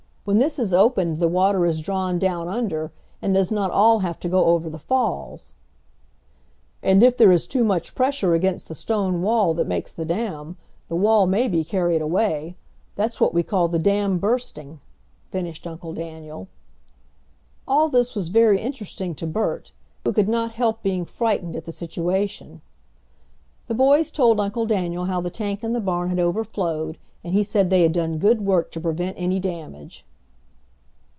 When this is opened the water is drawn down under and does not all have to go over the falls." "And if there is too much pressure against the stone wall that makes the dam, the wall may be carried away. That's what we call the dam bursting," finished Uncle Daniel. All this was very interesting to Bert, who could not help being frightened at the situation. The boys told Uncle Daniel how the tank in the barn had overflowed, and he said they had done good work to prevent any damage.